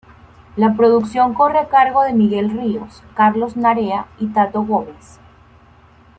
La producción corre a cargo de Miguel Ríos, Carlos Narea y Tato Gómez.